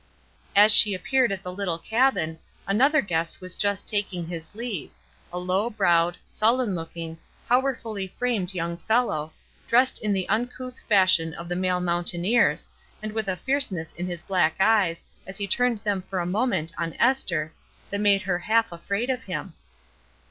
As she appeared at the little cabin another guest was just taking his leave, a low browed, sullen looking, powerfully framed young fellow, dressed in the uncouth fashion of the male mountaineers, and with a fierceness in his black eyes as he turned them for a moment on Esther that made her half afraid of him.